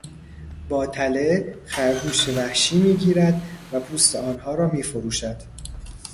با تله، خرگوش وحشی میگیرد و پوست آنها را میفروشد.